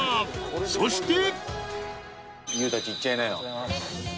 ［そして！］